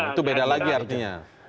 itu beda lagi artinya